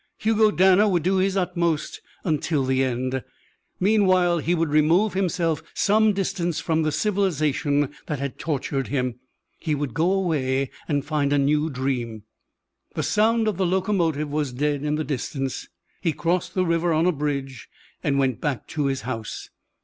Hugo Danner would do his utmost until the end. Meanwhile, he would remove himself some distance from the civilization that had tortured him. He would go away and find a new dream. The sound of the locomotive was dead in the distance. He crossed the river on a bridge and went back to his house.